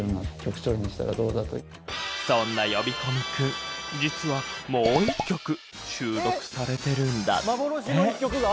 そんな呼び込み君実はもう一曲収録されてるんだって。